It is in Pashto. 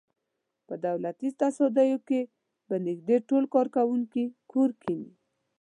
په دولتي تصدیو کې به نږدې ټول کارکوونکي کور کېني.